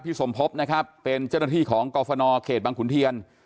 สมพบนะครับเป็นเจ้าหน้าที่ของกรฟนเขตบังขุนเทียน